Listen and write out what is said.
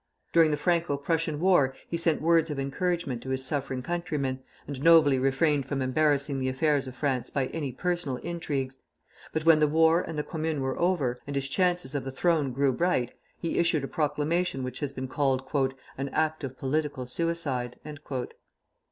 During the Franco Prussian war he sent words of encouragement to his suffering countrymen, and nobly refrained from embarrassing the affairs of France by any personal intrigues; but when the war and the Commune were over, and his chances of the throne grew bright, he issued a proclamation which has been called "an act of political suicide."